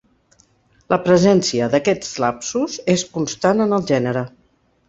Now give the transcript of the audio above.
La presència d'aquests lapsus és constant en el gènere.